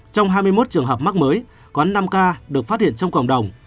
trong hai mươi một trường hợp mắc mới có năm ca được phát hiện trong cộng đồng